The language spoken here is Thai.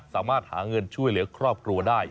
สามารถหาเงินช่วยเหลือครอบครัวได้